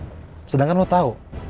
ya kan sedangkan lo tau